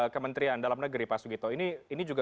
kementerian dalam negeri pak sugito ini juga